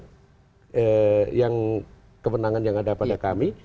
sesuai dengan ketentuan yang kemenangan yang ada pada kami